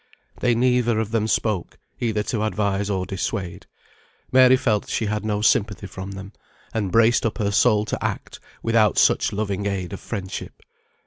They neither of them spoke, either to advise or dissuade. Mary felt she had no sympathy from them, and braced up her soul to act without such loving aid of friendship.